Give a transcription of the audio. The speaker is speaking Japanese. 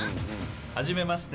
はじめまして。